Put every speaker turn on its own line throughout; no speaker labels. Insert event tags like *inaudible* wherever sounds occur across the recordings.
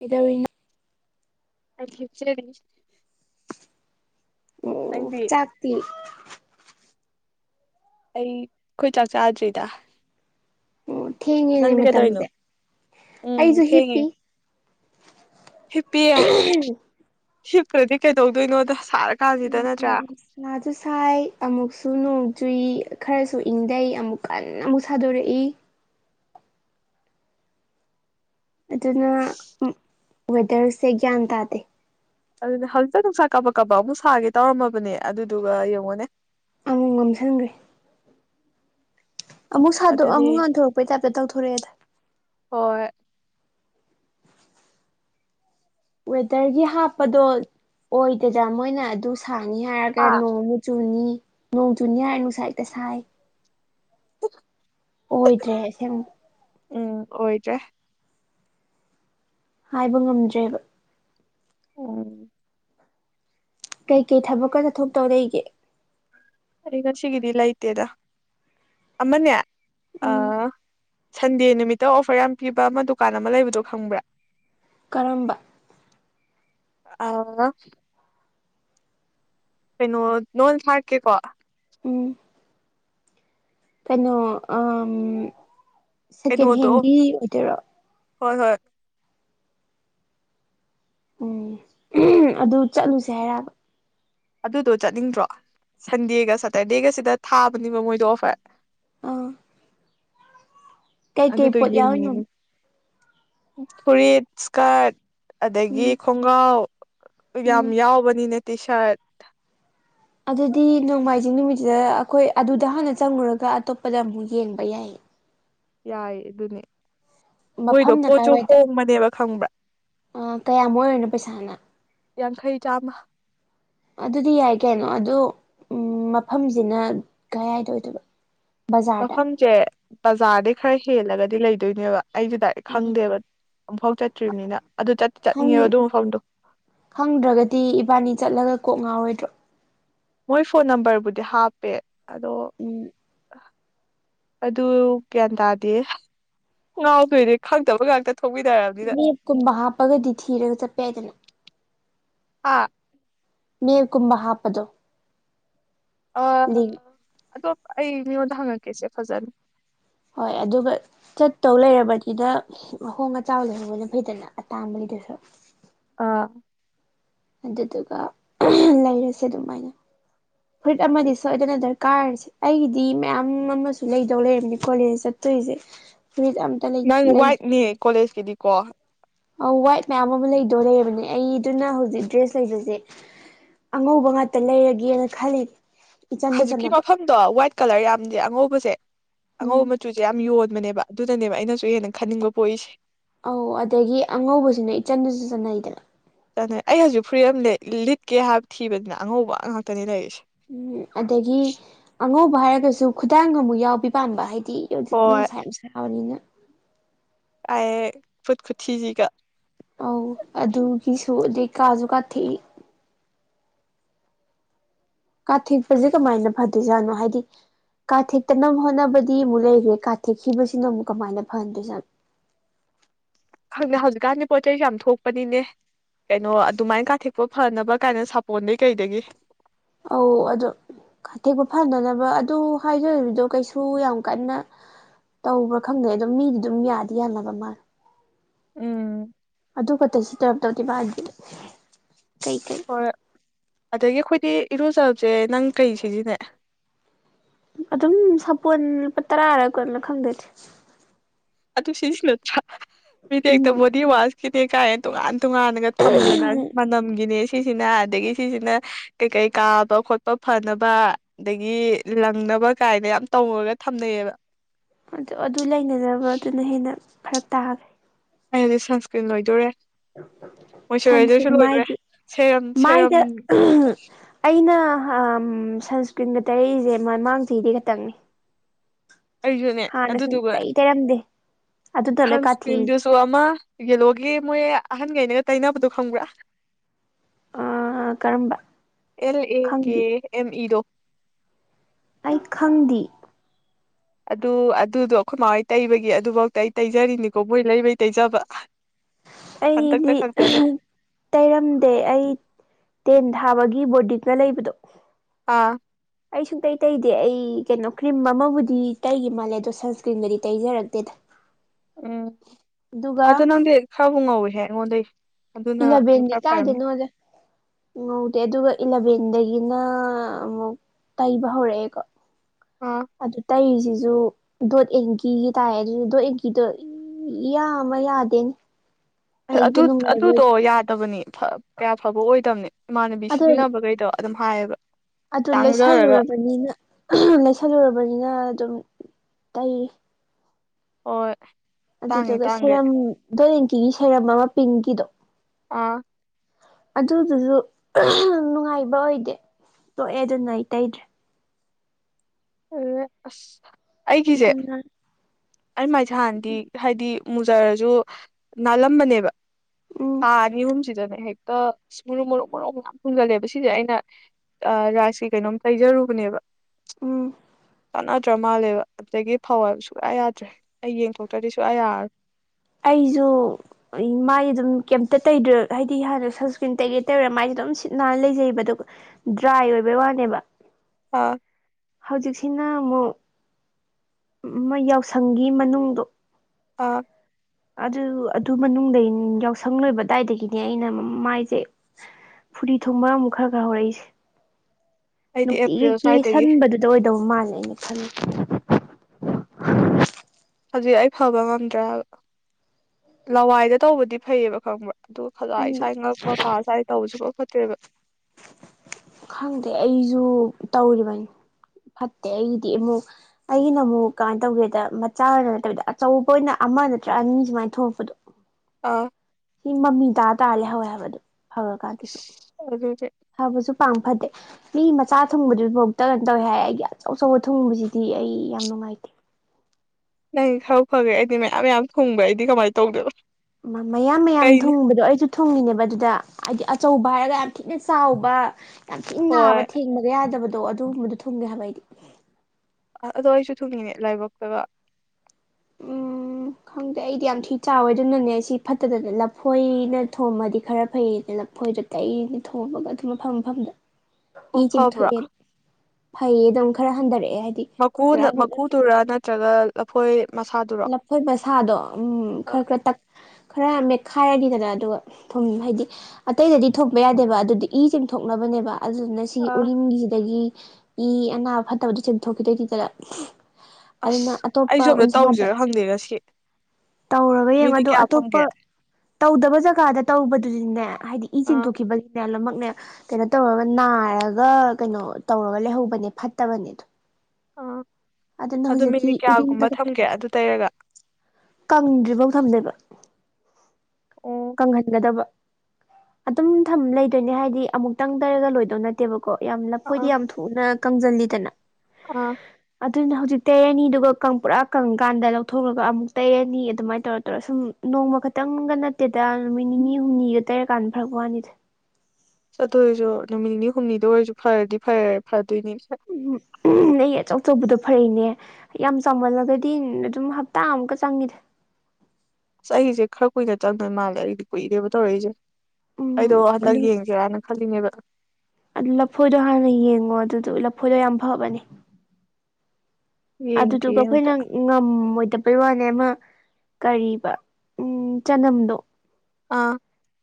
ꯀꯩꯗꯧꯔꯤ
ꯑꯩ ꯍꯤꯞꯆꯔꯤ
ꯑꯣ
ꯅꯪꯗꯤ ꯑꯩ
ꯆꯥꯛꯇꯤ
ꯑꯩ ꯑꯩꯈꯣꯏ ꯆꯥꯛ ꯆꯥꯗ꯭ꯔꯤꯗ
ꯑꯣ ꯊꯦꯡꯉꯦꯅꯦ
ꯅꯪꯗꯤ ꯀꯩ ꯇꯧꯔꯤꯅꯣ
ꯃꯇꯝꯁꯦ
ꯎꯝ
ꯑꯩꯁꯨ
ꯊꯦꯡꯉꯦ
ꯍꯤꯞꯄꯤ
ꯍꯤꯞꯄꯤꯌꯦ ꯍꯤꯞꯇ꯭ꯔꯗꯤ ꯀꯩꯗꯧꯗꯣꯏꯅꯣꯗ ꯁꯥꯔ
ꯎꯝ *unintelligible* ꯉꯥꯁꯨ ꯁꯥꯏ ꯑꯃꯨꯛꯁꯨ ꯅꯣꯡ ꯆꯨꯏ ꯈꯔꯁꯨ ꯏꯪꯗꯩ ꯑꯃꯨꯛ ꯀꯟꯅ ꯑꯃꯨꯛ ꯁꯥꯗꯣꯔꯛꯏ ꯑꯗꯨꯅ ꯎꯞ ꯋꯦꯗꯔꯁꯦ ꯒ꯭ꯌꯥꯟ ꯇꯥꯗꯦ
ꯑꯗꯨꯅꯦ ꯍꯧꯖꯤꯛꯇ ꯅꯨꯡꯁꯥ ꯀꯥꯕꯛ ꯀꯥꯕꯛ ꯑꯃꯨꯛ ꯁꯥꯒꯦ ꯇꯧꯔꯝꯃꯕꯅꯦ ꯑꯗꯨꯗꯨꯒ ꯌꯦꯡꯉꯣꯅꯦ
ꯑꯃꯨꯛ ꯃꯝꯁꯟꯒ꯭ꯔꯦ ꯑꯃꯨꯛ ꯁꯥꯗꯣꯛ
ꯑꯗꯨꯅꯤ
ꯑꯃꯨꯛ ꯉꯟꯊꯣꯔꯛꯄꯩ ꯇꯥꯏꯞꯇ ꯇꯧꯊꯣꯔꯛꯑꯦꯗ
ꯍꯣꯏ
ꯋꯦꯇꯔꯒꯤ ꯍꯥꯞꯄꯗꯣ ꯑꯣꯏꯗꯦꯗ ꯃꯣꯏꯅ ꯑꯗꯨ ꯁꯥꯅꯤ ꯍꯥꯏꯔꯒ
ꯑꯥ
ꯅꯣꯡꯃꯨꯛ ꯆꯨꯅꯤ ꯅꯣꯡ ꯆꯨꯅꯤ ꯍꯥꯏꯔ ꯅꯨꯡꯁꯥ ꯍꯦꯛꯇ ꯁꯥꯏ
*unintelligible*
ꯑꯣꯏꯗ꯭ꯔꯦ ꯑꯁꯦꯡ
ꯎꯝ ꯑꯣꯏꯗ꯭ꯔꯦ
ꯍꯥꯏꯕ ꯉꯝꯗ꯭ꯔꯦꯕ
ꯑꯣ ꯎꯝ
ꯀꯩ ꯀꯩ ꯊꯕꯛꯀ ꯆꯠꯊꯣꯛꯇꯧ ꯂꯩꯒꯦ
ꯑꯩ ꯉꯁꯤꯒꯤꯗꯤ ꯂꯩꯇꯦꯗ ꯑꯃꯅꯦ
ꯎꯝ
ꯑꯥ ꯁꯟꯗꯦ ꯅꯨꯃꯤꯠꯇ ꯑꯣꯐꯔ ꯌꯥꯝ ꯄꯤꯕ ꯑꯃ ꯗꯨꯀꯥꯟ ꯑꯃ ꯂꯩꯕꯗꯣ ꯈꯪꯕ꯭ꯔꯥ
ꯀꯔꯝꯕ
ꯑꯥ ꯀꯩꯅꯣ ꯅꯣꯟ ꯊꯔꯛꯀꯦꯀꯣ
ꯎꯝ ꯀꯩꯅꯣ ꯑꯝ ꯁꯦꯀꯦꯟ
ꯀꯩꯅꯣꯗꯣ
ꯍꯦꯟꯒꯤ ꯑꯣꯏꯗꯣꯏꯔꯣ
ꯍꯣꯏ ꯍꯣꯏ
ꯎꯝ ꯎꯝ ꯑꯗꯨ ꯆꯠꯂꯨꯁꯦ ꯍꯥꯏꯔꯥꯕ
ꯑꯗꯨꯗꯣ ꯆꯠꯅꯤꯡꯗ꯭ꯔꯣ ꯁꯟꯗꯦꯒ ꯁꯇꯔꯗꯦꯒꯁꯤꯗ ꯊꯥꯕꯅꯦꯕ ꯃꯣꯏꯗꯣ ꯑꯣꯐꯔ
ꯑꯥ ꯀꯩꯀꯩ
ꯑꯗꯨꯗꯣ
ꯄꯣꯠ ꯌꯥꯎꯔꯤꯅꯣ
ꯌꯦꯡꯅꯤꯡꯉꯤꯅꯦ ꯐꯨꯔꯤꯠ ꯏꯁꯀ꯭ꯔꯠ ꯑꯗꯒꯤ
ꯎꯝ
ꯈꯣꯡꯒ꯭ꯔꯥꯎ
ꯎꯝ
ꯌꯥꯝ ꯌꯥꯎꯕꯅꯤꯅ ꯇꯤ ꯁꯥꯔꯠ
ꯑꯗꯨꯗꯤ ꯅꯣꯡꯃꯥꯏꯖꯤꯡ ꯅꯨꯃꯤꯠꯇꯨꯗ ꯑꯈꯣꯏ ꯑꯗꯨꯗ ꯍꯥꯟꯅ ꯆꯪꯉꯨꯔꯒ ꯑꯇꯣꯞꯄꯗ ꯑꯃꯨꯛ ꯌꯦꯡꯕ ꯌꯥꯏꯌꯦ
ꯌꯥꯏ ꯑꯗꯨꯅꯤ ꯃꯣꯏꯗꯣ
ꯃꯐꯝꯅ
ꯄꯣꯠꯁꯨ ꯍꯣꯡꯕꯅꯦꯕ ꯈꯪꯕ꯭ꯔꯥ
ꯑ ꯀꯌꯥꯃꯨꯛ ꯑꯣꯏꯔꯤꯅꯣ ꯄꯩꯁꯥꯅ
ꯌꯥꯡꯈꯩ ꯆꯥꯝꯃ
ꯑꯗꯨꯗꯤ ꯌꯥꯏ ꯀꯩꯅꯣ ꯑꯗꯣ ꯎꯝ ꯃꯐꯝꯁꯤꯅ ꯀꯥꯌꯥꯏꯗ ꯑꯣꯏꯗꯣꯏꯕ ꯕꯖꯥꯔꯗ
ꯃꯐꯝꯖꯦ ꯕꯖꯥꯔꯗꯩ ꯈꯔ ꯍꯦꯜꯂꯒꯗꯤ ꯂꯩꯗꯣꯏꯅꯦꯕ ꯑꯩꯖꯨ ꯗꯥꯏꯔꯦꯛ
ꯎꯝ
ꯈꯪꯗꯦꯕ ꯑꯃꯨꯛꯐꯥꯎ ꯆꯠꯇ꯭ꯔꯤꯕꯅꯤꯅ ꯑꯗꯨ
ꯈꯪ
ꯆꯠꯅꯤꯡꯉꯦꯕ ꯑꯗꯨ ꯃꯐꯝꯗꯣ
ꯈꯪꯗ꯭ꯔꯒꯗꯤ ꯏꯕꯥꯅꯤ ꯆꯠꯂꯒ ꯀꯣꯛ ꯉꯥꯎꯔꯣꯏꯗ꯭ꯔꯣ
ꯃꯣꯏ ꯐꯣꯟ ꯅꯝꯕꯔꯕꯨꯗꯤ ꯍꯥꯞꯄꯦ ꯑꯗꯣ
ꯎꯝ
ꯑ ꯑꯗꯨ ꯒ꯭ꯌꯥꯟ ꯇꯥꯗꯦ ꯉꯥꯎꯗꯣꯏꯅꯤ ꯈꯪꯗꯕ ꯉꯥꯛꯇ ꯊꯣꯛꯃꯤꯟꯅꯔ
ꯃꯦꯞꯀꯨꯝꯕ ꯍꯥꯞꯄꯒꯗꯤ ꯊꯤꯔꯒ ꯆꯠꯄ ꯌꯥꯏꯗꯅ
ꯑꯥ
ꯃꯦꯞꯀꯨꯝꯕ ꯍꯥꯞꯄꯗꯣ
ꯑꯥ
ꯂꯤꯡ
ꯑꯗꯣ ꯑꯩ ꯃꯤꯉꯣꯟꯗ ꯍꯪꯉꯛꯀꯦꯁꯦ ꯐꯖꯅ
ꯍꯣꯏ ꯑꯗꯨꯒ ꯆꯠꯇꯧ ꯂꯩꯔꯕꯅꯤꯅ ꯑꯍꯣꯡ ꯑꯆꯥꯎ ꯂꯩꯍꯧꯕꯅ ꯐꯩꯗꯅ ꯑꯇꯥꯡꯕ ꯂꯩꯗꯧ ꯁꯔꯨꯛ
ꯑꯥ
ꯑꯗꯨꯗꯨꯒ ꯑꯍꯝ ꯂꯩꯔꯁꯦ ꯑꯗꯨꯃꯥꯏꯅ ꯐꯨꯔꯤꯠ ꯑꯃꯗꯤ ꯁꯣꯏꯗꯅ ꯗꯔꯀꯥꯔꯁꯤ ꯑꯩꯒꯤꯗꯤ ꯃꯌꯥꯝ ꯑꯃꯁꯨ ꯂꯩꯗꯧ ꯂꯩꯔꯝꯃꯤ ꯀꯣꯂꯦꯖ ꯆꯠꯇꯣꯏꯖꯦ ꯐꯨꯔꯤꯠ ꯑꯝ
ꯅꯪ ꯋꯥꯏꯠꯅꯦ ꯀꯣꯂꯦꯖꯀꯤꯗꯤꯀꯣ
ꯑꯧ ꯋꯥꯏꯠ ꯃꯌꯥꯝ ꯑꯃ ꯂꯩꯗꯧ ꯂꯩꯔꯕꯅꯦ ꯑꯩ ꯗꯨꯅ ꯍꯧꯖꯤꯛ ꯗ꯭ꯔꯦꯁ ꯂꯩꯕꯖꯦ ꯑꯉꯧꯕ ꯉꯥꯛꯇ ꯂꯩꯔꯒꯦꯅ ꯈꯜꯂꯤ ꯏꯆꯟꯗ
ꯍꯧꯖꯤꯛꯀꯤ
ꯆꯟꯅꯕ
ꯃꯐꯝꯗꯣ ꯋꯥꯏꯠ ꯀꯂꯔ ꯌꯥꯝꯗꯦ ꯑꯉꯧꯕꯁꯦ ꯑꯉꯧꯕ
ꯎꯝ
ꯃꯆꯨ ꯌꯥꯝ ꯌꯣꯟꯕꯅꯦꯕ ꯑꯗꯨꯅꯅꯦꯕ ꯑꯩꯅꯁꯨ ꯍꯦꯟꯅ ꯈꯟꯅꯤꯡꯕ ꯄꯣꯛꯏꯁꯦ
ꯑꯧ ꯑꯗꯒꯤ ꯑꯉꯧꯕꯁꯤꯅ ꯏꯆꯟꯗꯁꯨ ꯆꯠꯅꯩꯗꯅ
ꯆꯠꯅꯩ ꯑꯩ ꯍꯧꯖꯤꯛ ꯐꯨꯔꯤ ꯑꯃ ꯂꯤꯠꯀꯦ ꯍꯥꯏꯕ ꯊꯤꯕꯅꯤꯅ ꯑꯉꯧꯕ ꯉꯥꯛꯇꯅꯤ ꯂꯩꯔꯤꯁꯦ
ꯎꯝ ꯑꯗꯒꯤ ꯑꯉꯧꯕ ꯍꯥꯏꯔꯒꯁꯨ ꯈꯨꯗꯥꯡ ꯑꯃꯨꯛ ꯌꯥꯎꯕꯤ ꯄꯥꯟꯕ ꯍꯥꯏꯗꯤ ꯀꯖꯤ ꯀꯅꯨ
ꯍꯣꯏ
ꯁꯥꯔ ꯁꯥ ꯑꯃꯅꯤꯅꯤꯅ
ꯑ ꯈꯨꯠ ꯈꯨꯨ ꯊꯤꯁꯤꯒ
ꯑꯧ ꯑꯗꯨꯒꯤꯁꯨ ꯑꯗꯩ ꯀꯥꯖꯨ ꯀꯥꯊꯦꯛꯏ ꯀꯥꯊꯦꯛꯄꯖꯦ ꯀꯃꯥꯏꯅ ꯐꯗꯣꯏꯖꯥꯅꯣ ꯍꯥꯏꯗꯤ ꯀꯥꯊꯦꯛꯇꯅꯕ ꯍꯣꯠꯅꯕꯗꯤ ꯑꯃꯨꯛ ꯂꯩꯒ꯭ꯔꯦ ꯀꯥꯊꯦꯛꯈꯤꯕꯁꯤꯅ ꯑꯃꯨꯛ ꯀꯃꯥꯏꯅ ꯐꯍꯟꯗꯣꯏꯖꯥꯅꯣ
ꯈꯪꯗꯦ ꯍꯧꯖꯤꯛꯀꯥꯟꯗꯤ ꯄꯣꯠ ꯆꯩꯁꯨ ꯌꯥꯝ ꯊꯣꯛꯄꯅꯤꯅꯦ ꯀꯩꯅꯣ ꯑꯗꯨꯃꯥꯏꯅ ꯀꯥꯊꯦꯛꯄ ꯐꯅꯕ ꯀꯥꯏꯅ ꯁꯥꯄꯣꯟꯗꯩ ꯀꯩꯗꯒꯤ
ꯑꯧ ꯑꯗꯣ ꯊꯦꯛꯄ ꯐꯅꯅꯕ ꯑꯗꯨ ꯍꯥꯏꯗꯣꯔꯤꯕꯗꯣ ꯀꯩꯁꯨ ꯌꯥꯝ ꯀꯟꯅ ꯇꯧꯕ꯭ꯔꯥ ꯈꯪꯗ꯭ꯔꯦ ꯑꯗꯨꯝ ꯃꯤꯗꯤ ꯑꯗꯨꯝ ꯌꯥꯗꯤ ꯌꯥꯅꯕ ꯃꯥ
ꯎꯝ
ꯑꯗꯨ ꯈꯛꯇ ꯁꯤ ꯇꯧꯔꯞ ꯇꯧꯗꯤ ꯃꯥꯒꯤꯗꯤ ꯀꯩꯀꯩ
ꯍꯣꯏ ꯑꯗꯒꯤ ꯑꯩꯈꯣꯏꯗꯤ ꯏꯔꯨꯖꯕꯁꯦ ꯅꯪ ꯀꯩ ꯁꯤꯖꯤꯅꯩ
ꯑꯗꯨꯝ ꯁꯥꯄꯣꯟ ꯂꯨꯄꯥ ꯇꯔꯥꯔ ꯀꯣꯟꯅ ꯈꯪꯗꯦ
ꯑꯗꯨ ꯁꯤꯁꯨ ꯅꯠꯇ꯭ꯔꯥ ꯃꯤꯅꯦꯛꯇ ꯕꯣꯗꯤ ꯋꯥꯁ ꯀꯤꯅꯦ ꯀꯥꯏꯌꯦ ꯇꯣꯉꯥꯟ ꯇꯣꯉꯥꯟꯅꯒ ꯐꯝꯗꯅ
ꯎꯝ
ꯃꯅꯝꯒꯤꯅꯦ ꯁꯤꯁꯤꯅ ꯑꯗꯒꯤ ꯁꯤꯁꯤꯅ ꯀꯩ ꯀꯩ ꯀꯥꯕ ꯈꯣꯠꯄ ꯐꯅꯕ ꯑꯗꯒꯤ ꯂꯪꯅꯕ ꯀꯥꯏꯅ ꯌꯥꯝ ꯇꯧꯔꯒ ꯊꯝꯅꯩꯑꯕ
ꯑꯗꯨ ꯑꯗꯨ ꯂꯩꯅꯅꯕ ꯑꯗꯨꯅ ꯍꯦꯟꯅ ꯐꯔꯛ ꯇꯥꯒ꯭ꯔꯦ
ꯑꯩ ꯍꯧꯖꯤꯛ ꯁꯟꯁꯀ꯭ꯔꯤꯟ ꯂꯣꯏꯗꯣꯔꯦ
ꯁꯟꯁꯀ꯭ꯔꯤꯟ
ꯃꯣꯏꯔꯥꯏꯖꯔꯁꯨ ꯂꯣꯏꯗ꯭ꯔꯦ
ꯃꯥꯏꯒꯤ
ꯁꯦꯔ ꯁꯦꯔꯝ
ꯃꯥꯏꯗ ꯑꯩꯅ ꯁꯟꯁꯀ꯭ꯔꯤꯟꯒ ꯇꯥꯔꯛꯏꯁꯦ ꯃꯃꯥꯡ ꯆꯍꯤꯗꯤ ꯈꯛꯇꯪꯅꯤ
ꯑꯩꯁꯨꯅꯦ
ꯍꯥꯟꯅ ꯁꯨꯝ
ꯑꯗꯨꯗꯨꯒ
ꯇꯩ ꯇꯩꯔꯝꯗꯦ ꯑꯗꯨꯗ ꯂꯣꯏ ꯀꯥꯊꯤꯏꯁꯦ
ꯑꯗꯨꯒ ꯑꯃ ꯌꯦꯂꯣꯒꯤ ꯃꯣꯏ ꯑꯍꯟꯒꯩꯅꯒ ꯇꯩꯅꯕꯗꯣ ꯈꯪꯕ꯭ꯔꯥ
ꯀꯔꯝꯕ
ꯑꯦꯜ ꯑꯦ ꯀꯦ
ꯈꯪꯗꯦ
ꯑꯦꯝ ꯏꯗꯣ
ꯑꯩ ꯈꯪꯗꯦ
ꯑꯗꯨ ꯑꯗꯨꯗꯣ ꯑꯩꯈꯣꯏ ꯃꯥꯍꯣꯏ ꯇꯩꯕꯒꯤ ꯑꯗꯨꯕꯧ ꯑꯩ ꯇꯩꯖꯔꯤꯅꯤꯀꯣ ꯃꯣꯏ ꯂꯩꯕꯩ ꯇꯩꯖꯕ ꯍꯟꯗꯛꯇ
ꯑꯩꯗꯤ
ꯈꯛꯇꯅꯦ
ꯇꯩꯔꯝꯗꯦ ꯑꯩ ꯇꯦꯟ ꯊꯥꯕꯒꯤ ꯕꯣꯔꯗꯤꯡꯒ ꯂꯩꯕꯗꯣ
ꯑꯥ
ꯑꯩ ꯁꯨꯡꯇꯩ ꯇꯩꯗꯦ ꯑꯩ ꯀꯩꯅꯣ ꯀ꯭ꯔꯤꯝ ꯑꯃꯕꯨꯗꯤ ꯇꯩꯈꯤ ꯃꯥꯜꯂꯦ ꯑꯗꯣ ꯁꯟꯁ꯭ꯀ꯭ꯔꯤꯟꯒꯗꯤ ꯇꯩꯖꯔꯛꯇꯦꯗ
ꯎꯝ
ꯑꯗꯨꯒ
ꯑꯗꯨ ꯅꯪꯗꯤ ꯈꯔꯕꯨ ꯉꯧꯋꯤꯍꯦ ꯑꯩꯉꯣꯟꯗꯒꯤ
ꯏꯂꯥꯕꯦꯟꯗꯤ ꯀꯥꯏꯗꯩꯅꯣꯗꯥ ꯉꯧꯗꯦ ꯑꯗꯨꯒ ꯏꯂꯚꯦꯟꯗꯒꯤꯅ ꯑꯃꯨꯛ ꯇꯩꯕ ꯍꯧꯔꯛꯑꯦꯀꯣ
ꯑꯣ *unintelligible* *inaudible*
ꯑꯗꯨ ꯇꯩꯔꯤꯁꯤꯁꯨ ꯗꯣꯠ ꯑꯦꯡꯀꯤꯒꯤ ꯇꯥꯏ ꯑꯗꯨꯁꯨ ꯗꯣꯠ ꯑꯦꯡꯀꯤꯗꯣ ꯏꯌꯥ ꯑꯃ ꯌꯥꯗꯦ
ꯑꯗꯨꯗꯣ ꯌꯥꯗꯕꯅꯤ ꯀꯌꯥ ꯐꯕ ꯑꯣꯏꯗꯕꯅꯤ ꯏꯃꯥꯟꯅꯕꯤ
ꯑꯗꯣ
ꯁꯤꯖꯤꯟꯅꯕꯈꯩꯗꯣ ꯑꯗꯨꯝ ꯍꯥꯏꯌꯦꯕ
ꯑꯗꯨ
ꯇꯥꯡꯖꯔꯒ
ꯂꯩꯁꯜꯂꯨꯔꯕꯅꯤꯅ ꯂꯩꯁꯜꯂꯨꯔꯕꯅꯤꯅ ꯑꯗꯨꯝ ꯇꯩꯔꯤ
ꯑꯣꯏ
ꯑꯗꯨꯗꯨꯒ ꯁꯦꯔꯝ ꯗꯣꯂꯤꯟꯀꯤꯒꯤ ꯁꯦꯔꯝ ꯑꯃ ꯄꯤꯡꯀꯤꯗꯣ
ꯑ *unintelligible* *inaudible*
ꯑꯗꯨꯗꯨꯁꯨ ꯅꯨꯡꯉꯥꯏꯕ ꯑꯣꯏꯗꯦ ꯇꯣꯛꯑꯦ ꯑꯗꯨꯅ ꯑꯩ ꯇꯩꯗ꯭ꯔꯦ
ꯑ ꯑꯁ ꯑꯩꯒꯤꯁꯦ
ꯑꯗꯨꯅ
ꯑꯩ ꯃꯥꯏꯁ ꯍꯥꯟꯗꯤ ꯍꯥꯏꯗꯤ ꯃꯨꯖꯔꯁꯨ ꯅꯥꯜꯂꯝꯕꯅꯦꯕ
ꯎꯝ
ꯇꯥ ꯑꯅꯤ ꯑꯍꯨꯝꯁꯤꯗꯅꯦ ꯍꯦꯛꯇ ꯃꯨꯝ ꯃꯔꯣꯛ ꯃꯔꯣꯛ ꯃꯌꯥꯝ ꯊꯨꯒꯜꯂꯦꯕ ꯁꯤꯁꯦ ꯑꯩꯅ ꯑ ꯔꯥꯖꯀꯤ ꯀꯩꯅꯣꯝ ꯇꯩꯖꯔꯨꯕꯅꯦꯕ
ꯎꯝ
ꯀꯥꯟꯅꯗ꯭ꯔ ꯃꯥꯜꯂꯦꯕ ꯑꯗꯨꯗꯥꯒꯤ ꯐꯧ ꯍꯥꯏꯕ ꯁꯨꯡꯌꯥ ꯌꯥꯗ꯭ꯔꯦ ꯑꯩ ꯌꯦꯡꯊꯣꯛꯇ꯭ꯔꯗꯤ ꯁꯨꯡꯌꯥ ꯌꯥꯔꯔꯣꯏ
ꯑꯩꯁꯨ ꯃꯥꯒꯤ ꯑꯗꯨꯝ ꯀꯩꯝꯇ ꯇꯩꯗ꯭ꯔꯦ ꯍꯥꯏꯗꯤ ꯍꯥꯟꯅ ꯁꯟꯁꯀ꯭ꯔꯤꯟ ꯇꯩꯒꯦ ꯇꯩꯔꯦ ꯃꯥꯏꯁꯦ ꯑꯗꯨꯝ ꯁꯤꯠ ꯅꯥꯟꯅ ꯂꯩꯖꯩꯑꯕ ꯑꯗꯨꯒ ꯗ꯭ꯔꯥꯏ ꯑꯣꯏꯕꯩ ꯋꯥꯅꯦꯕ
ꯍ
ꯍꯧꯖꯤꯛꯁꯤꯅ ꯑꯃꯨꯛ ꯎ ꯃ ꯌꯥꯎꯁꯪꯒꯤ ꯃꯅꯨꯡꯗꯣ
ꯑ
ꯑꯗꯨ ꯑꯗꯨ ꯃꯅꯨꯡꯗꯩꯅꯤ ꯌꯥꯎꯁꯪ ꯂꯣꯏꯕ ꯑꯗꯥꯏꯗꯒꯤꯅꯦ ꯑꯩꯅ ꯃꯥꯏꯖꯦ ꯐꯨꯔꯤ ꯊꯨꯡꯕ ꯑꯃꯨꯛ ꯈꯔ ꯈꯔ ꯍꯧꯔꯛꯏꯁꯦ
ꯑꯩꯗꯤ
ꯅꯨꯡꯇꯤꯒꯤ
ꯑꯦꯄ꯭ꯔꯤꯜ ꯁ꯭ꯋꯥꯏꯗꯒꯤ
ꯀꯦꯁꯟꯕꯗꯨꯗꯥ ꯑꯣꯏꯗꯧꯕ ꯃꯥꯜꯂꯦ ꯑꯩꯅ ꯈꯟꯂꯤ
ꯍꯧꯖꯤꯛ ꯑꯩ ꯐꯕ ꯉꯝꯗ꯭ꯔꯦꯕ ꯂꯋꯥꯏꯗ ꯇꯧꯕꯗꯤ ꯐꯩꯌꯦꯕ ꯈꯪꯕ꯭ꯔꯥ ꯑꯗꯨ ꯈꯖꯏ
ꯎꯝ
ꯏꯁꯋꯥꯥꯏ ꯉꯛ ꯃꯄꯥ ꯁ꯭ꯋꯥꯏ ꯇꯧꯕꯁꯨ ꯀꯈꯠꯇ꯭ꯔꯦꯕ
ꯈꯪꯗꯦ ꯑꯩꯁꯨ ꯇꯧꯔꯤꯕꯅꯤ ꯐꯠꯇꯦ ꯑꯩꯒꯤꯗꯤ ꯑꯃꯨꯛ ꯑꯩꯒꯤꯅ ꯑꯃꯨꯛ ꯀꯃꯥꯏꯅ ꯇꯧꯒꯦꯗ ꯃꯆꯥ ꯑꯣꯏꯅ ꯅꯠꯇꯕꯤꯗ ꯑꯆꯧꯕ ꯑꯣꯏꯅ ꯑꯃ ꯅꯠꯇ꯭ꯔ ꯑꯅꯤ ꯁꯨꯃꯥꯏꯅ ꯊꯣꯛꯂꯛꯄꯗꯣ
ꯑꯥ
ꯁꯤ ꯃꯃꯤ ꯇꯥ ꯇꯥꯔꯦ ꯍꯧꯋꯦ ꯍꯥꯏꯕꯗꯨ ꯐꯔꯀꯥꯟꯗꯁꯨ
ꯑꯁ ꯑꯗꯨꯗꯤ
ꯐꯕꯁꯨ ꯄꯥꯡ ꯐꯗꯦ ꯃꯤ ꯃꯆꯥ ꯊꯨꯡꯕꯗꯨꯐꯥꯎꯗ ꯀꯩꯅꯣ ꯇꯧꯋꯤ ꯍꯥꯏ ꯑꯩꯒꯤ ꯑꯆꯧ ꯑꯆꯧꯕ ꯊꯨꯡꯕꯁꯤꯗꯤ ꯑꯩ ꯌꯥꯝ ꯅꯨꯡꯉꯥꯏꯇꯦ
ꯅꯪ ꯈꯔ ꯐꯔ꯭ꯔꯦ ꯑꯩꯗꯤ ꯃꯌꯥꯝ ꯃꯌꯥꯝ ꯊꯨꯡꯕ꯭ꯔ ꯑꯩꯗꯤ ꯀꯃꯥꯏꯅ ꯇꯧꯗꯣꯏꯅꯣ
ꯃꯥ ꯃꯌꯥꯝ ꯃꯌꯥꯝ ꯊꯨꯡꯕꯗꯣ ꯑꯩꯖꯨ ꯊꯨꯡꯉꯤꯅꯦꯕ ꯑꯗꯨꯗꯥ ꯍꯥꯏꯗꯤ ꯑꯆꯧꯕ ꯍꯥꯏꯔꯒ ꯌꯥꯝ ꯊꯤꯅ ꯆꯥꯎꯕ ꯌꯥꯝ ꯊꯤꯅ ꯅꯥꯕ
ꯍꯣꯏ
ꯊꯦꯡꯕꯗꯥ ꯌꯥꯗꯕꯗꯣ ꯑꯗꯨꯒꯨꯝꯕꯗꯣ ꯊꯨꯡꯉꯦ ꯍꯥꯏꯕ ꯑꯩꯗꯤ
ꯑ ꯑꯗꯣ ꯑꯩꯁꯨ ꯊꯨꯡꯅꯤꯡꯅꯦ ꯂꯥꯏꯕꯛꯛꯇꯒ
ꯎꯝ ꯈꯪꯗꯦ ꯑꯩꯗꯤ ꯌꯥꯝ ꯊꯤ ꯆꯥꯎꯋꯦ ꯑꯗꯨꯅꯅꯦ ꯁꯤ ꯐꯠꯇꯗꯅ ꯂꯐꯣꯏꯅ ꯊꯣꯝꯃꯗꯤ ꯈꯔ ꯐꯩꯅ ꯂꯐꯣꯏꯗ ꯀꯇꯩꯅꯤ ꯊꯣꯡꯃꯒ ꯑꯗꯨꯝ ꯃꯐꯝ ꯃꯐꯝꯗ
ꯑꯣ
ꯏ
ꯐꯕ꯭ꯔꯣ
ꯆꯤꯊꯣꯛꯑꯦ ꯐꯩꯌꯦ ꯑꯗꯨꯝ ꯈꯔ ꯍꯟꯊꯔꯛꯑꯦ ꯍꯥꯏꯗꯤ
ꯃꯀꯨꯅ
ꯄꯨꯔꯥ
ꯃꯀꯨꯗꯨꯔꯥ ꯅꯠꯇ꯭ꯔꯒ ꯂꯐꯣꯏ ꯃꯁꯥꯗꯨꯔꯣ
ꯑꯩꯈꯣꯏꯕ ꯁꯥꯗꯣ
ꯑꯥ
ꯈꯔ ꯈꯔ ꯈꯔ ꯃꯦꯠꯈꯥꯏꯔꯗꯤꯗꯅ ꯑꯗꯨꯒ ꯊꯨꯝ ꯍꯥꯏꯗꯤ ꯑꯇꯩꯗꯗꯤ ꯊꯣꯛꯄ ꯌꯥꯗꯦꯕ ꯑꯗꯨꯗꯤ ꯏꯁꯤꯡ ꯊꯣꯛꯅꯕꯅꯦꯕ ꯑꯗꯨꯅ ꯁꯤ
ꯑꯥ
ꯎꯔꯤꯡꯒꯤꯁꯤꯗꯒꯤ ꯏ ꯑꯅꯥꯕ ꯐꯠꯇꯕꯗꯨ ꯆꯦꯟꯊꯣꯛꯈꯤꯗꯣꯏꯗꯨꯗꯅ ꯑꯩꯅ ꯑꯇꯣꯞꯄ ꯎꯟꯁꯥꯗ
ꯍꯪꯅꯤꯦꯔꯁꯤ
ꯇꯧꯔꯒ ꯌꯦꯡꯕꯗꯣ ꯑꯇꯣꯞꯄ ꯇꯧꯗꯕ ꯖꯒꯥꯗ ꯇꯧꯕꯗꯨꯗꯤꯅꯦ ꯍꯥꯏꯗꯤ ꯏ
ꯑꯥ
ꯆꯤꯡꯊꯣꯛꯈꯤꯕꯅꯤꯅꯦ ꯂꯃꯛꯅꯦ ꯀꯩꯅꯣ ꯇꯧꯔꯒ ꯅꯥꯔꯒ ꯀꯩꯅꯣ ꯇꯧꯔꯒ ꯂꯩꯍꯧꯕꯅꯦ ꯐꯠꯇꯕꯅꯦꯗꯣ
ꯑꯥ
ꯑꯥꯗꯨꯅ
ꯑꯗꯨ
ꯍꯧꯖꯤꯛꯀꯤ
ꯃꯤꯅꯤꯠ
ꯎꯔꯤꯡ
ꯀꯌꯥꯒꯨꯝꯕ
ꯇꯪ
ꯊꯝꯒꯦ ꯑꯗꯨ ꯇꯩꯔꯒ
ꯀꯪꯗ꯭ꯔꯤꯐꯥꯎ ꯊꯝꯅꯦꯕ
ꯑꯣ
ꯀꯪꯍꯟꯒꯗꯕ ꯑꯗꯨꯝꯝ ꯂꯩꯗꯣꯏꯅꯦ ꯍꯥꯏꯗꯤ ꯑꯃꯨꯛꯇꯪ ꯇꯔꯒ ꯂꯣꯏꯗꯧꯅꯠꯇꯦ ꯅꯠꯇꯦꯕꯀꯣ ꯌꯥꯝ
ꯑꯥ
ꯂꯐꯣꯏꯗꯤ ꯌꯥꯝ ꯊꯨꯅ ꯀꯪꯁꯤꯜꯂꯤꯗꯅ
ꯑ
ꯑꯗꯨꯅ ꯍꯧꯖꯤꯛꯛꯇꯔꯅꯤꯗꯨꯒ ꯀ ꯄꯨꯔꯥ ꯀꯥꯟꯗ ꯂꯧꯊꯣꯛꯂꯒ ꯑꯃꯨꯛ ꯇꯩꯔꯅꯤ ꯑꯗꯨꯃꯥꯏꯅ ꯇꯧꯔ ꯇꯧꯔꯒ ꯁꯨꯝ ꯅꯣꯡꯃ ꯈꯛꯇꯪꯒ ꯅꯠꯇꯦꯗ ꯅꯨꯃꯤꯠ ꯅꯤꯅꯤ ꯍꯨꯝꯅꯤꯒ ꯀꯩꯔꯀꯥꯟꯗ ꯚꯒꯋꯥꯅꯤꯗ
ꯆꯠꯇ ꯑꯣꯏꯔꯁꯨ ꯅꯨꯃꯤꯠ ꯅꯤꯅꯤ ꯍꯨꯝꯅꯤꯗ ꯑꯣꯏꯔꯁꯨ ꯐꯔꯗꯤ ꯐꯔꯦ ꯐꯗꯣꯏꯅꯤ
ꯅ ꯑꯆꯧ ꯑꯆꯧꯕꯗꯣ ꯐꯔꯛꯏꯅꯦ ꯌꯥꯝ ꯆꯥꯎꯃꯜꯂꯒꯗꯤ ꯑꯗꯨꯝ ꯍꯞꯇꯥ ꯑꯃꯨꯛꯀ ꯆꯪꯉꯗ
ꯑꯁ ꯑꯩꯁꯦ ꯈꯔ ꯀꯨꯏꯅ ꯆꯪꯗꯣꯏꯅ ꯃꯥꯜꯂꯦ ꯑꯩꯗꯤ ꯀꯨꯏꯔꯦꯕ ꯇꯧꯔꯛꯏꯁꯦ
ꯎꯝ
ꯑꯩꯗꯣ ꯍꯟꯗꯛ ꯌꯦꯡꯁꯦꯔꯅ ꯈꯜꯂꯤꯅꯦꯕ
ꯂꯐꯣꯏꯗꯣ ꯍꯥꯟꯅ ꯌꯦꯡꯉꯣ ꯑꯗꯨꯗꯣ ꯂꯐꯣꯏꯗꯣ ꯌꯥꯝ ꯐꯕꯅꯦ
ꯌꯦꯡꯒꯦ
ꯑꯗꯨꯗꯨꯒ
ꯑꯝꯇ
ꯑꯩꯈꯣꯏꯅꯪ ꯉꯝꯃꯣꯏꯗꯕꯩ ꯋꯥꯅꯦ ꯑꯃ ꯀꯔꯤꯕ ꯎꯝ ꯆꯅꯝꯗꯣ
ꯑꯥ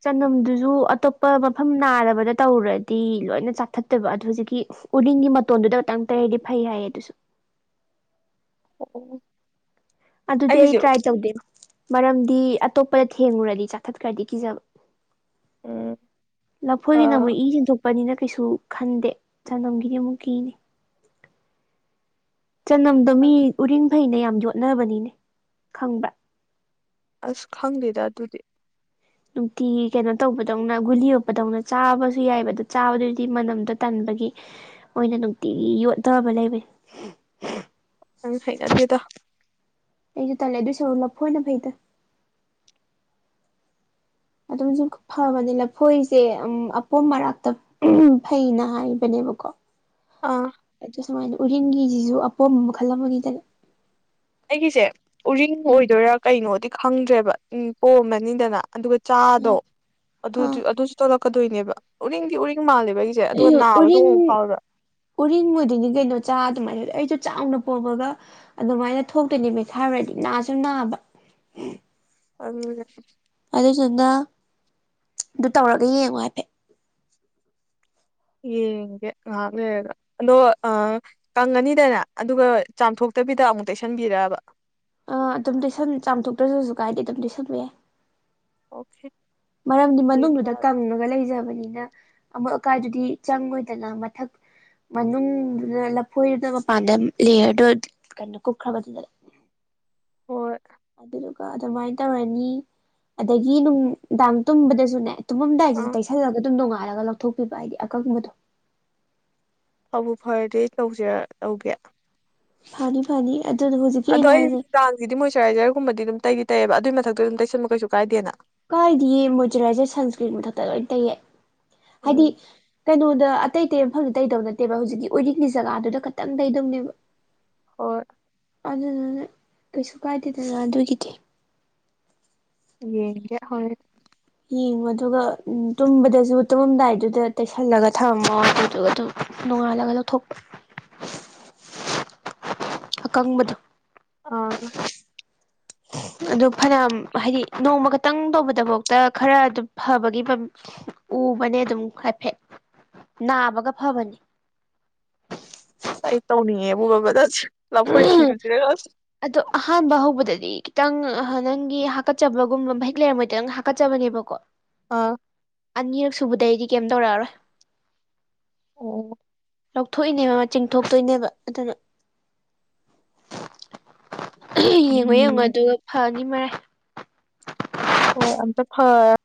ꯆꯅꯝꯗꯨꯁꯨ ꯑꯇꯣꯞꯄ ꯃꯐꯝ ꯅꯥꯔꯕꯗ ꯇꯧꯔꯗꯤ ꯂꯣꯏꯅ ꯆꯥꯊꯠꯇꯣꯕ ꯑꯗꯨ ꯍꯧꯖꯤꯛꯀꯤ ꯎꯔꯤꯡꯒꯤ ꯃꯇꯣꯟꯗꯨꯗ ꯈꯇꯪ ꯇꯩꯔꯗꯤ ꯐꯩ ꯍꯥꯏꯌꯦ ꯑꯗꯨꯁꯨ
ꯑꯣ *unintelligible* *inaudible*
ꯑꯗꯨꯗꯤ ꯑꯩ
ꯑꯩꯒꯤꯁꯦ
ꯇ꯭ꯔꯥꯏ ꯇꯧꯗꯦ ꯃꯔꯝꯗꯤ ꯑꯇꯣꯞꯄꯗ ꯊꯦꯡꯂꯨꯔꯗꯤ ꯆꯥꯊꯠꯈ꯭ꯔꯗꯤ ꯀꯤꯖꯕ
ꯎꯝ
ꯂ ꯐꯣꯏꯕꯤ ꯅ
ꯑꯥ
ꯃꯣꯏꯁꯤ ꯄꯅꯤꯅ ꯀꯩꯁꯨ ꯈꯟꯗꯦ ꯆꯥꯟꯝꯒꯤꯗꯤ ꯑꯃꯨꯛ ꯀꯤꯅꯤ ꯆꯅꯝꯗꯣ ꯃꯤ ꯎꯔꯤꯡ ꯐꯩꯅ ꯌꯥꯝ ꯌꯣꯠꯅꯕꯅꯤꯅꯦ ꯈꯪꯕ꯭ꯔꯥ
ꯑꯁ ꯈꯪꯗꯦꯗ ꯑꯗꯨꯗꯤ
ꯅꯨꯡꯇꯤꯒꯤ ꯀꯩꯅꯣ ꯇꯧꯕꯗꯧꯅ ꯒꯨꯂꯤ ꯑꯣꯞꯄꯗꯧꯅ ꯆꯥꯕꯁꯨ ꯌꯥꯏꯑꯕ ꯑꯗꯣ ꯆꯥꯕꯗꯨꯗꯤ ꯃꯅꯝꯗꯣ ꯇꯟꯕꯒꯤ ꯃꯣꯏꯅ ꯅꯨꯡꯇꯤꯒꯤ ꯌꯣꯗꯕ ꯂꯩꯕ
ꯅꯪ ꯍꯩꯅꯗꯦꯗꯣ
ꯑꯩꯖꯨ ꯇꯜꯂꯦ ꯑꯗꯨꯏ ꯁꯔꯨꯛ ꯂꯐꯣꯏꯅ ꯐꯩꯗ *unintelligible* ꯐꯕꯅꯦ ꯂꯐꯣꯏꯁꯦ ꯎꯝ ꯑꯄꯣꯝ ꯃꯔꯛꯇ ꯐꯩꯅ ꯍꯥꯏꯕꯅꯦꯕꯀꯣ
ꯑꯥ
ꯑꯗꯨ ꯁꯨꯃꯥꯏꯅ ꯎꯔꯤꯡꯒꯤꯁꯤꯁꯨ ꯑꯄꯣꯝꯕ ꯃꯈꯜ ꯑꯃꯒꯤꯗ
ꯑꯩꯒꯤꯁꯦ ꯎꯔꯤꯡ
ꯎꯝ
ꯑꯣꯏꯗꯣꯏꯔꯥ ꯀꯩꯅꯣꯗꯤ ꯈꯪꯗ꯭ꯔꯦꯕ ꯎꯝ ꯄꯣꯝꯃꯅꯤꯗꯅ ꯑꯗꯨꯒ ꯆꯥꯗꯣ
ꯑꯥ
ꯑꯗꯨꯁꯨ ꯑꯗꯨꯁꯨ ꯆꯂꯛꯀꯗꯣꯏꯅꯦꯕ ꯎꯔꯤꯡꯗꯤ ꯎꯔꯤꯡ ꯃꯥꯜꯂꯦꯕ ꯑꯩ ꯦ ꯑꯗꯨꯒ ꯅꯥꯕꯁꯨ ꯑꯃꯨꯛ ꯐꯥꯎꯕ꯭ꯔꯥ
ꯎꯔꯤꯟ ꯑꯣꯏꯗꯣꯏꯅꯤ ꯀꯩꯅꯣ ꯆꯥ ꯑꯗꯨꯃꯥꯏꯅ ꯑꯩꯁꯨꯣ ꯆꯥꯎꯅ ꯄꯣꯝꯉꯒ ꯑꯗꯨꯃꯥꯏꯅ ꯊꯣꯛꯇꯣꯏꯅꯦ ꯃꯦꯠꯈꯥꯏꯔꯥꯎꯗꯤ ꯅꯥꯁꯨ ꯅꯥꯕ
ꯑꯪ
ꯑꯗꯨꯗꯨꯅ ꯑꯗꯨ ꯇꯧꯔꯒ ꯌꯦꯡꯉꯣ ꯍꯥꯏꯐꯦꯠ
ꯌꯦꯦ ꯂꯦꯒ ꯑꯗꯣ ꯑꯥ ꯀꯪꯉꯅꯤꯗꯅ ꯑꯗꯨꯒ ꯆꯥꯝꯊꯣꯛꯇꯕꯤꯗ ꯑꯃꯨꯛ ꯇꯩꯁꯟꯕꯤꯔꯥꯕ
ꯑ ꯑꯗꯨꯝ ꯂꯣꯏꯁꯟ ꯆꯥꯝꯊꯣꯛꯇ꯭ꯔꯁꯨ ꯀꯥꯏꯗꯤ ꯑꯗꯨꯝ ꯂꯣꯏꯁꯟꯕ ꯌꯥꯏ
ꯑꯣꯀꯦ
ꯃꯔꯝꯗꯤ
ꯌꯦꯡ
ꯃꯅꯨꯡꯗꯨꯗ
ꯇꯥꯔꯦ
ꯀꯪꯉꯒ ꯂꯩꯖꯕꯅꯤꯅ ꯑꯃꯣꯠ ꯑꯀꯥꯏꯗꯨꯗꯤ ꯆꯪꯉꯣꯏꯗꯅ ꯃꯊꯛ ꯃꯅꯨꯡꯗꯨꯗꯥ ꯂꯐꯣꯏꯗꯨꯅ ꯃꯄꯥꯟꯗꯥ ꯂꯦꯌꯔꯗꯣ ꯀꯩꯅꯣ ꯀꯨꯞꯈ꯭ꯔ ꯃꯇꯨꯡꯗꯥ
ꯑꯣ
ꯑꯗꯨꯗꯨꯒ ꯑꯗꯨꯃꯥꯏꯅ ꯇꯧꯔꯅꯤ ꯑꯗꯒꯤ ꯅꯨꯡ ꯅꯨꯡꯗꯥꯡ ꯇꯨꯝꯕꯗꯁꯨꯅꯦ ꯇꯨꯝꯃꯝꯗꯥꯏꯁꯤꯗ
ꯑꯥ
ꯇꯩꯁꯜꯂꯒ ꯑꯗꯨꯝ ꯅꯣꯡꯉꯥꯏꯔꯒ ꯂꯧꯊꯣꯛꯄꯤꯕ ꯍꯥꯏꯗꯤ ꯑꯀꯪꯕꯗꯣ
ꯐꯥꯕꯨ ꯐꯔꯗꯤ ꯇꯧꯁꯤꯔ ꯇꯧꯒꯦ
ꯐꯥꯅꯤ ꯐꯥꯅꯤ ꯑꯦ ꯍꯧꯖꯤ
ꯑꯗꯣ ꯑꯩ ꯅꯨꯡꯗꯥꯡꯒꯤꯗꯤ ꯃꯣꯏꯆꯔꯥꯏꯖꯔꯒꯨꯝꯕꯗꯤ ꯑꯗꯨꯝ ꯇꯩꯗꯤ ꯇꯩꯑꯕ ꯑꯗꯨꯏ ꯃꯊꯛꯇ ꯑꯗꯨꯝ ꯇꯩꯁꯟꯕ ꯀꯩꯁꯨ ꯀꯥꯏꯗꯦꯅ
ꯀꯥꯏꯗꯤꯌꯦ ꯃꯣꯏꯆꯔꯥꯏꯖꯔ ꯁꯟꯁꯀ꯭ꯔꯤꯟ ꯃꯊꯛꯇ ꯂꯣꯏꯅ ꯇꯩꯌꯦ ꯍꯥꯏꯗꯤ
ꯎꯝ
ꯀꯩꯅꯣꯗ ꯑꯇꯩ ꯇꯩ ꯃꯐꯝꯗꯤ ꯇꯩꯗꯧ ꯅꯠꯇꯦꯕ ꯍꯧꯖꯤꯛꯀꯤ ꯑꯣꯏꯔꯤꯛꯀꯤ ꯖꯒꯥꯗꯨꯗ ꯈꯛꯇꯪ ꯇꯩꯗꯧꯅꯦꯕ
ꯍꯣꯏ
ꯑꯗꯨꯅꯅꯦ ꯀꯩꯁꯨ ꯀꯥꯏꯗꯦꯗꯅ ꯑꯗꯨꯒꯤꯗꯤ
ꯌꯦꯒꯦ ꯍꯣꯏ
ꯌꯦꯡꯉꯣ ꯑꯗꯨꯒ ꯇꯨꯝꯕꯗꯁꯨ ꯇꯨꯝꯃꯝꯗꯥꯏꯗꯨꯗ ꯇꯩꯁꯜꯂꯒ ꯊꯝꯃꯣ ꯑꯗꯨꯗꯨꯒ ꯑꯗꯨꯝ ꯅꯣꯡꯉꯥꯜꯂꯒ ꯂꯧꯊꯣꯛ ꯑꯀꯪꯕꯗꯣ
ꯑꯥ
ꯑꯗꯨ ꯐꯅ ꯍꯥꯏꯗꯤ ꯅꯣꯡꯃ ꯈꯛꯇꯪ ꯇꯧꯕꯗꯐꯥꯎꯇ ꯈꯔ ꯑꯗꯨ ꯐꯕꯒꯤ ꯎꯕꯅꯦ ꯑꯗꯨꯝ ꯍꯥꯏꯐꯦꯠ ꯅꯥꯕꯒ ꯐꯕꯅꯤ
ꯑꯁ ꯑꯩ ꯇꯧꯅꯤꯡꯉꯦꯕ ꯕꯗ ꯂꯐꯣꯏ ꯊꯤꯔꯨꯁꯤꯔꯦꯒ
ꯑꯗꯣ ꯑꯍꯥꯟꯕ ꯍꯧꯕꯗꯗꯤ ꯈꯤꯇꯪ ꯅꯪꯒꯤ ꯍꯥꯀꯠꯆꯕꯒꯨꯝꯕ ꯃꯍꯤꯛ ꯂꯩꯔꯝꯃꯣꯏꯗꯔꯥ ꯀꯠꯆꯕꯅꯦꯕꯀꯣ
ꯑꯥ
ꯑꯅꯤꯔꯛ ꯁꯨꯕꯗꯩꯗꯤ ꯀꯩꯝ ꯇꯧꯔꯛꯑꯔꯣꯏ
ꯑꯣ *unintelligible* *inaudible*
ꯂꯧꯊꯣꯛꯏꯅꯦꯕ ꯃ ꯆꯤꯡ ꯊꯣꯛꯣꯛꯇꯣꯏꯅꯦꯕ ꯑꯗꯨꯅ ꯌꯦꯡꯉꯣ ꯌꯦꯡꯉꯣ
ꯎꯝ
ꯑꯗꯨꯒ ꯐꯥꯅꯤ ꯃꯔꯥꯏ
ꯍꯣꯏ ꯑ ꯐꯔ